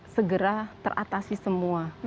segera teratasi semua